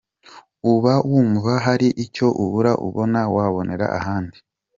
Uba wumva hari icyo ubura ubona wabonera ahandi.